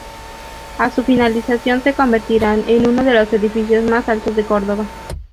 A su finalización se convertirán en uno de los edificios más altos de Córdoba